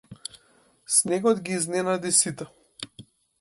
Снегот ги изненади сите.